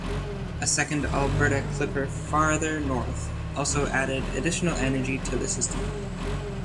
A second Alberta clipper farther north also added additional energy to the system.